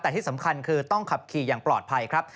แต่ที่สำคัญคือต้องขับขี่อย่างปลอดภัยครับ